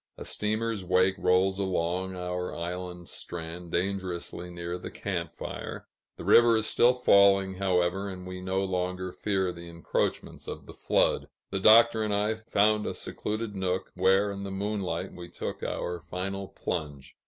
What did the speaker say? A steamer's wake rolls along our island strand, dangerously near the camp fire; the river is still falling, however, and we no longer fear the encroachments of the flood. The Doctor and I found a secluded nook, where in the moonlight we took our final plunge.